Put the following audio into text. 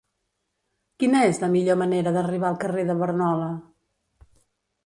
Quina és la millor manera d'arribar al carrer de Barnola?